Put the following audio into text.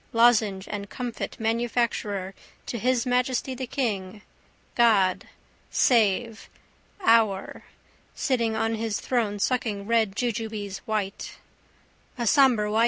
Lozenge and comfit manufacturer to His Majesty the King. God. Save. Our. Sitting on his throne sucking red jujubes white. A sombre Y.